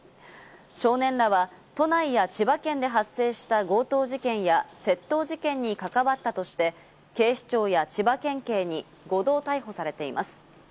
少年らは都内や千葉県で発生した強盗事件や窃盗事件に関わったとして、警視庁や千葉県警に５度、逮捕されています。